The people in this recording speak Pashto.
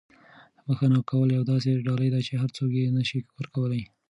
بښنه کول یوه داسې ډالۍ ده چې هر څوک یې نه شي ورکولی.